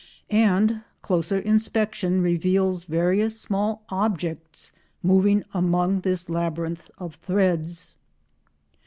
And closer inspection reveals various small objects moving among this labyrinth of threads.